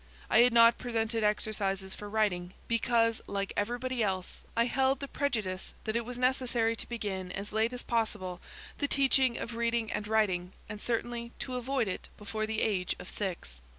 I had not presented exercises for writing, because, like everybody else, I held the prejudice that it was necessary to begin as late as possible the teaching of reading and writing, and certainly to avoid it before the age of six.